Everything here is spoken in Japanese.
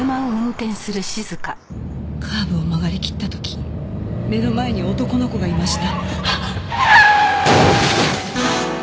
カーブを曲がりきった時目の前に男の子がいました。